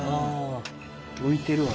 浮いてるわ。